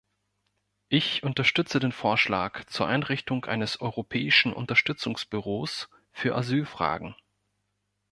Ich unterstütze den Vorschlag zur Einrichtung eines Europäischen Unterstützungsbüros für Asylfragen.